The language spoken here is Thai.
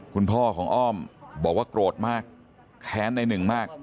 คุณพ่อของอ้อมบอกว่าโกรธมากแค้นในหนึ่งมาก